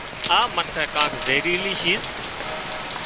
آ منکانئي ڪانڪ زهيريلي شيز